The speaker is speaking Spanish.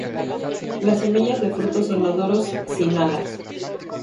Las semillas de frutos inmaduros sin alas.